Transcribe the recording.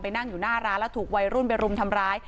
นั่งอยู่หน้าร้านแล้วถูกวัยรุ่นไปรุมทำร้าย